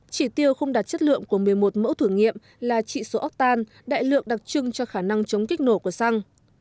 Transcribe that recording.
chỉ tiêu không đạt chất lượng của một mươi một mẫu thử nghiệm là chỉ số aqtan đại lượng đặc trưng cho khả năng chống kích nổ của xăng